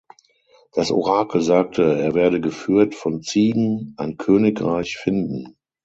Das Orakel sagte er werde geführt von Ziegen ein Königreich finden.